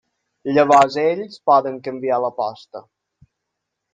Llavors ells poden canviar l'aposta.